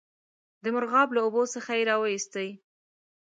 د مرغاب له اوبو څخه یې را وایستی.